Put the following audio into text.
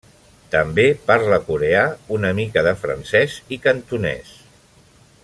També parla coreà, una mica de francès i cantonès.